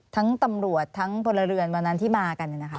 ตำรวจทั้งพลเรือนวันนั้นที่มากัน